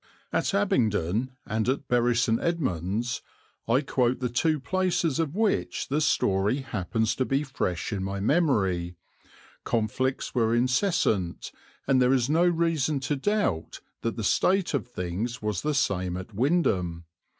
At Abingdon and at Bury St. Edmunds I quote the two places of which the story happens to be fresh in my memory conflicts were incessant, and there is no reason to doubt that the state of things was the same at Wymondham.